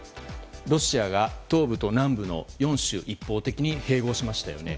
ロシアが東部と南部の４州を一方的に併合しましたよね。